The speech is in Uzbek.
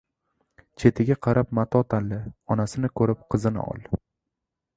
• Chetiga qarab mato tanla, onasini ko‘rib, qizini ol.